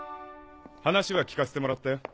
話は聞かせてもらったよ。